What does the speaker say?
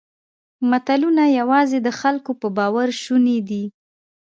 ملتونه یواځې د خلکو په باور شوني دي.